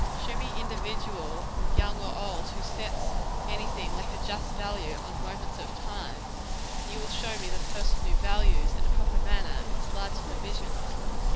Show me the individual, young or old, who sets any thing like a just value on moments of time, and you will show me the person who values, in a proper manner, its larger divisions.